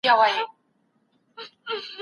محصولات باید په بازار کي سیالي وکړي.